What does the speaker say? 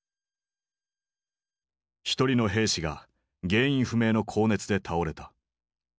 １人の兵士が原因不明の高熱で倒れた。